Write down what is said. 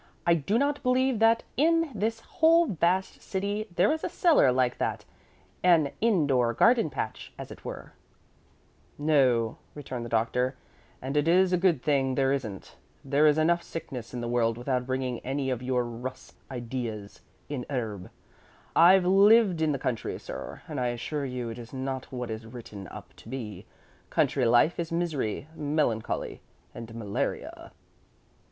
I do not believe that in this whole vast city there is a cellar like that an in door garden patch, as it were." [Illustration: "'A HIND QUARTER OF LAMB GAMBOLLING ABOUT ITS NATIVE HEATH'"] "No," returned the Doctor; "and it is a good thing there isn't. There is enough sickness in the world without bringing any of your rus ideas in urbe. I've lived in the country, sir, and I assure you it is not what it is written up to be. Country life is misery, melancholy, and malaria."